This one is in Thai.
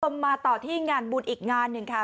มาต่อที่งานบุญอีกงานหนึ่งค่ะ